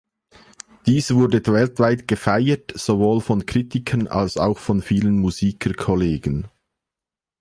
Dies wurde weltweit gefeiert, sowohl von Kritikern als auch von vielen Musiker-Kollegen.